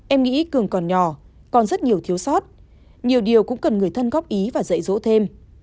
em nghĩ cường còn nhỏ còn rất nhiều thiếu sót nhiều điều cũng cần người thân góp ý và dạy dỗ thêm